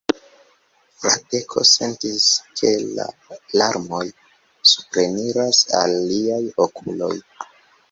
Fradeko sentis, ke larmoj supreniras al liaj okuloj.